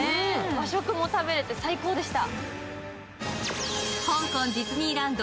和食も食べれて最高でした。